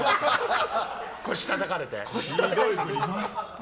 腰たたかれて。